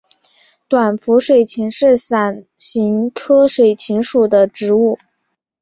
短辐水芹是伞形科水芹属的植物。